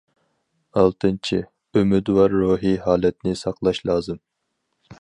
ئالتىنچى، ئۈمىدۋار روھىي ھالەتنى ساقلاش لازىم.